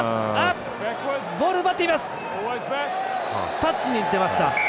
タッチに出ました。